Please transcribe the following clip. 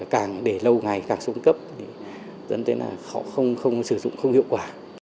càng để lâu ngày càng sống cấp dẫn tới là không sử dụng không hiệu quả